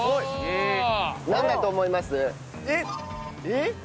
えっ？